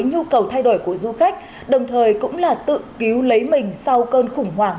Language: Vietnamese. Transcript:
nhu cầu thay đổi của du khách đồng thời cũng là tự cứu lấy mình sau cơn khủng hoảng